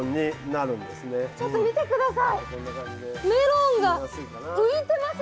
ちょっと見て下さい。